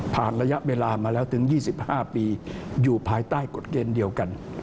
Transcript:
ระยะเวลามาแล้วถึง๒๕ปีอยู่ภายใต้กฎเกณฑ์เดียวกัน